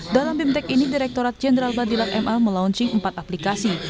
dalam bimtek ini direktorat jenderal badan peradilan agama meluncing empat aplikasi